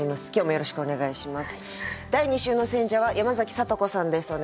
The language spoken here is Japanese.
よろしくお願いします。